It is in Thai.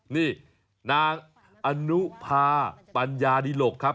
นี่นางอนุพาปัญญาดิหลกครับ